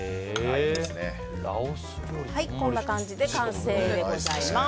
こんな感じで完成でございます。